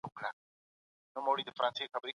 سپوږمينه